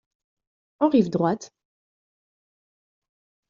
En rive droite,